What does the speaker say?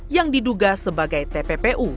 yang diduga sebagai tppu